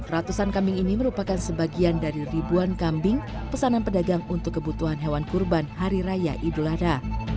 ratusan kambing ini merupakan sebagian dari ribuan kambing pesanan pedagang untuk kebutuhan hewan kurban hari raya idul adha